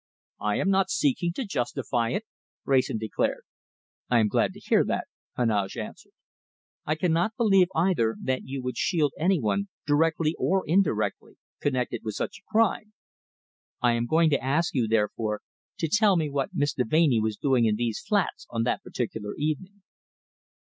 "I am not seeking to justify it," Wrayson declared. "I am glad to hear that," Heneage answered. "I cannot believe, either, that you would shield any one directly or indirectly connected with such a crime. I am going to ask you, therefore, to tell me what Miss Deveney was doing in these flats on that particular evening."